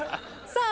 さあ！